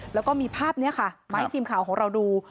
แล้วก็มีภาพนี้ค่ะมาให้ทีมข่าวของเราดู